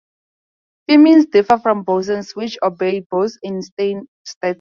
Fermions differ from bosons, which obey Bose-Einstein statistics.